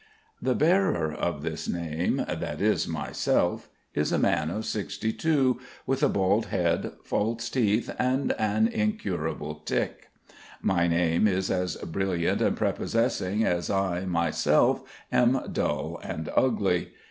The bearer of this name, that is myself, is a man of sixty two, with a bald head, false teeth and an incurable tic. My name is as brilliant and prepossessing, as I, myself am dull and ugly.